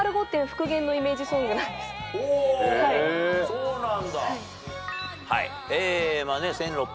そうなんだ。